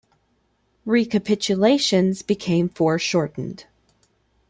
Recapitulations became foreshortened.